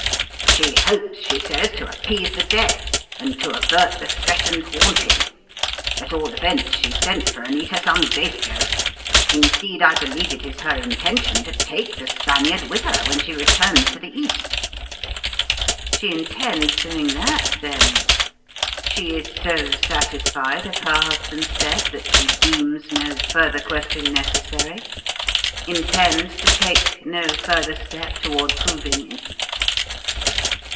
"She hopes, she says, to appease the dead and to avert the threatened 'haunting.' At all events, she sent for Anita some days ago. Indeed, I believe it is her intention to take the Spaniard with her when she returns to the East." "She intends doing that, then? She is so satisfied of her husband's death that she deems no further question necessary. Intends to take no further step toward proving it?"